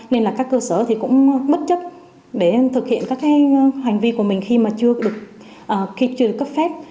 nên các cơ sở cũng bất chấp để thực hiện các hành vi của mình khi chưa được cấp phép